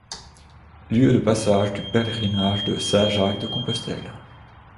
Lieu de passage du pèlerinage de Saint-Jacques-de-Compostelle.